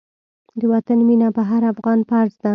د وطن مينه په هر افغان فرض ده.